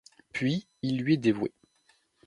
Puis il lui est dévoué.